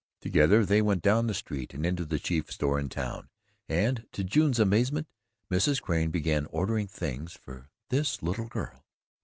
Together they went down the street and into the chief store in town and, to June's amazement, Mrs. Crane began ordering things for "this little girl."